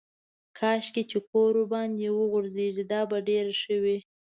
کاشکې چې کور ورباندې وغورځېږي دا به ډېره ښه وي.